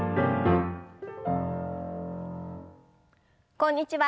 こんにちは。